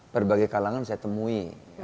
berbagai kalangan saya temui